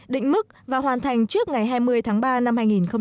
định mức và hoàn thành trước ngày hai mươi tháng ba năm hai nghìn một mươi bảy